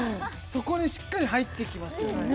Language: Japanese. そこにしっかり入ってきますよね